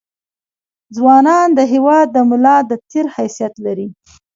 ځونان دهیواد دملا دتیر حیثت لري